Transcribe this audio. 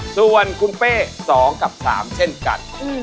ส่วนคุณเป้๒กับ๓เช่นกัน